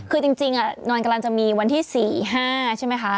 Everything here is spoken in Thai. คือจริงนอนกำลังจะมีวันที่๔๕ใช่ไหมคะ